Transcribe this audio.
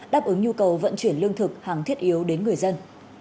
đáp ứng nhu cầu vận chuyển lương thực hàng thiết yếu đến người dân